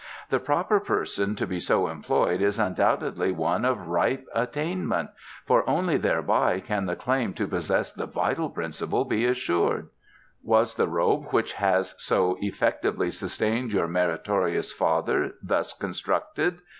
The proper person to be so employed is undoubtedly one of ripe attainment, for only thereby can the claim to possess the vital principle be assured." "Was the robe which has so effectively sustained your meritorious father thus constructed?"